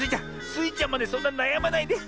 スイちゃんまでそんななやまないで。